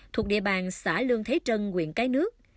thuộc địa bàn xã lương thế trân quyện cái nước